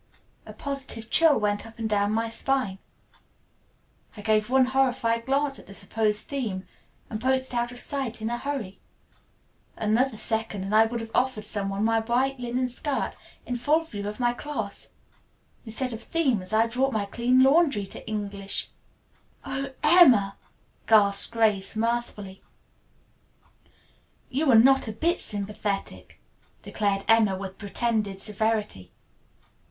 A positive chill went up and down my spine. I gave one horrified glance at the supposed theme and poked it out of sight in a hurry. Another second and I would have offered some one my white linen skirt in full view of my class. Instead of themes I had brought my clean laundry to English IV." "Oh, Emma!" gasped Grace mirthfully. "You're not a bit sympathetic," declared Emma with pretended severity.